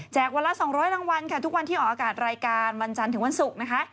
วันละ๒๐๐รางวัลค่ะทุกวันที่ออกอากาศรายการวันจันทร์ถึงวันศุกร์นะคะ